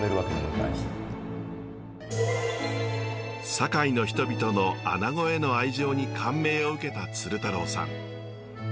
堺の人々のアナゴへの愛情に感銘を受けた鶴太郎さん。